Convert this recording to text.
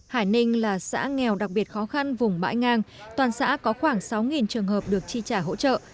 hải ninh là xã nghèo đặc biệt khó khăn vùng bãi ngang toàn xã có khoảng sáu trường hợp được chi trả hỗ trợ